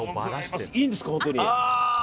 いいんですか、本当に。